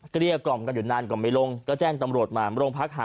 เกี้ยกล่อมกันอยู่นานก็ไม่ลงก็แจ้งตำรวจมาโรงพักหา